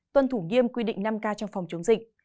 tuân thủ nghiêm quy định năm k trong phòng chống dịch